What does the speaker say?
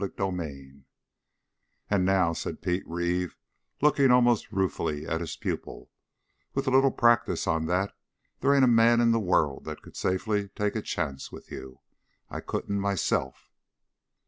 CHAPTER 12 "And now," said Pete Reeve, looking almost ruefully at his pupil, "with a little practice on that, they ain't a man in the world that could safely take a chance with you. I couldn't myself."